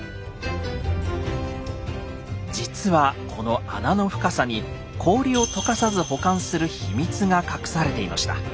実はこの穴の深さに氷を解かさず保管する秘密が隠されていました。